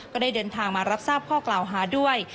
ก็ได้เดินทางมารับทราบข้อกล่าวหาด้วย